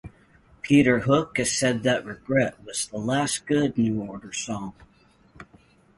Peter Hook has said that "Regret" was the last good New Order song.